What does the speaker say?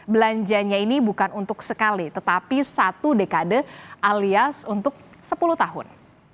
belanjanya ini bukan untuk sekali tetapi satu dekade alias untuk sepuluh tahun